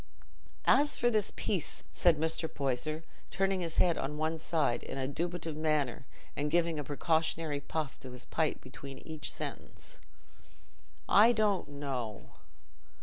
"As for this peace," said Mr. Poyser, turning his head on one side in a dubitative manner and giving a precautionary puff to his pipe between each sentence, "I don't know.